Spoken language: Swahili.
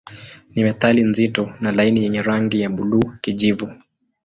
Ni metali nzito na laini yenye rangi ya buluu-kijivu.